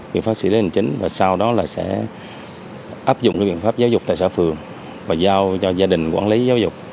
biện pháp xử lý hình chính và sau đó là sẽ áp dụng cái biện pháp giáo dục tại xã phường và giao cho gia đình quản lý giáo dục